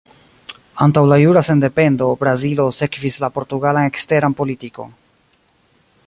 Antaŭ la jura sendependo, Brazilo sekvis la portugalan eksteran politikon.